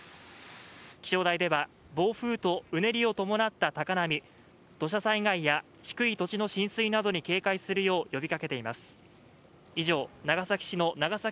気象台では暴風とうねりを伴った高波、土砂災害や低い土地の浸水などに警戒するよう呼びかけています。